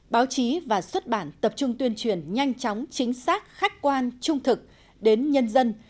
báo chí và xuất bản tập trung tuyên truyền nhanh chóng chính xác khách quan trung thực đến nhân dân